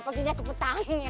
pagi nya cepetan